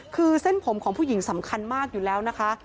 คือเส้นผมของผู้หญิงสำคัญมากอยู่แล้วนะคะ